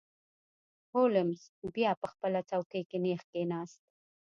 هولمز بیا په خپله څوکۍ کې نیغ کښیناست.